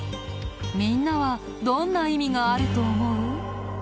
みんなはどんな意味があると思う？